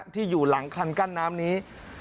ที่อยู่หลังคันกั้นน้ำนี้